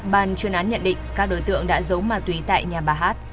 ban chuyên án nhận định các đối tượng đã giấu mà tùy tại nhà bà hát